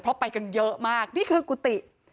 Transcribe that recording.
เพราะไปกันเยอะมากนี่คือกุฏิ